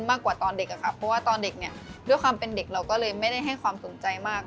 ตอนเด็กอะค่ะเพราะว่าตอนเด็กเนี่ยด้วยความเป็นเด็กเราก็เลยไม่ได้ให้ความสนใจมาก